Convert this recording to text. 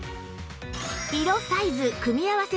色サイズ組み合わせ